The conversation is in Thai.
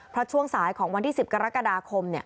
เพราะช่วงสายของวันที่๑๐กรกฎาคม